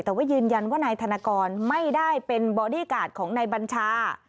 แต่ว่ายืนยันว่านายธนกรไม่ได้เป็นบอดี้การ์ดของนายบัญชา